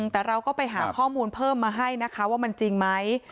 แต่เราก็ไปหาข้อมูลเพิ่มมาให้นะคะว่ามันจริงไหม